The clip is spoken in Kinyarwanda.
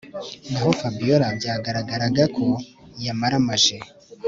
Naho Fabiora byagaragaraga ko yamaramaje